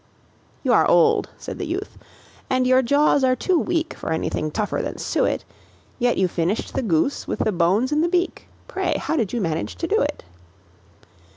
"You are old," said the youth, "and your jaws are too weak For anything tougher than suet; Yet you finished the goose, with the bones and the beak Pray, how did you manage to do it?"